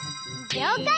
りょうかい！